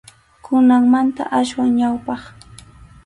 Kunanmanta aswan ñawpaq.